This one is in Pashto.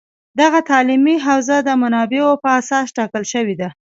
دغه تعلیمي حوزه د منابعو په اساس ټاکل شوې ده